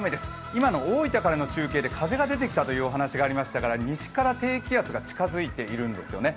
今の大分からの中継で風が出てきたというお話がありましたから、西から低気圧が近づいているんですよね。